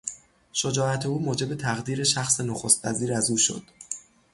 شجاعت او موجب تقدیر شخص نخست وزیر از او شد.